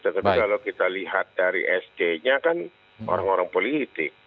tetapi kalau kita lihat dari sd nya kan orang orang politik